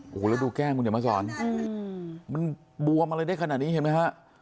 โอ้โหแล้วดูแก้มมึงอย่ามาสอนมันบวมมาเลยได้ขนาดนี้เห็นไหมฮะ